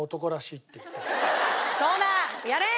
そうだ！やれー！